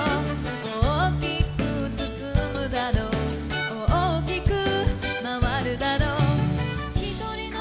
「大きくつつむだろう大きくまわるだろう」